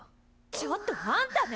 ちょっとあんたね！